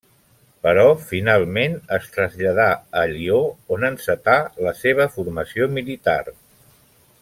Però finalment es traslladà a Lió on encetà la seva formació militar.